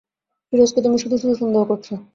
ফিরোজকে তুমি শুধু-শুধু সন্দেহ করছি।